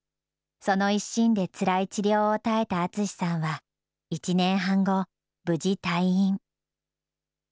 その一心でつらい治療を耐えた淳さんは、１年半後、無事退院。